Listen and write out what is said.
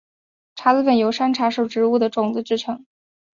茶籽粉由山茶属植物的种子制成。